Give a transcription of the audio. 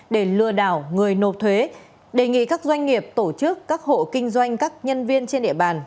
để lừa đảo người nộp thuế đề nghị các doanh nghiệp tổ chức các hộ kinh doanh các nhân viên trên địa bàn